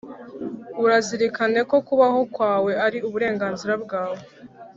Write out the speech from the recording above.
Urazirikane ko kubaho kwawe Ari uburenganzira bwawe